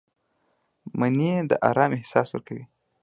مني د آرام احساس ورکوي